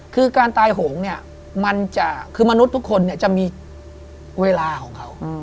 คือการตายโหงเนี่ยมันจะคือมนุษย์ทุกคนเนี่ยจะมีเวลาของเขา